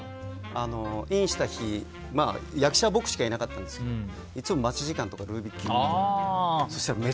インした日役者、僕しかいなかったんですけどいつも待ち時間とかルービックキューブやってるので。